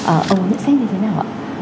ông nhận xét như thế nào ạ